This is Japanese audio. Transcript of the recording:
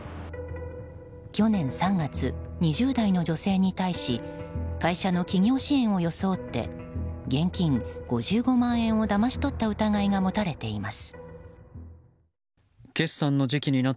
去年３月、２０代の女性に対し会社の企業支援を装って現金５５万円をだまし取った疑いが持たれています。